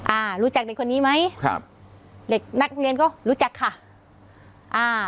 อ่ารู้จักเด็กคนนี้ไหมครับเด็กนักเรียนก็รู้จักค่ะอ่า